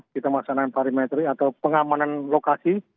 kita melaksanakan parametery atau pengamanan lokasi